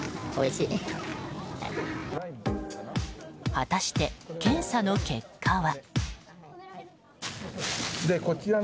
果たして検査の結果は。